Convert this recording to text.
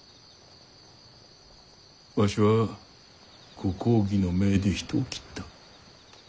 わしはご公儀の命で人を斬った。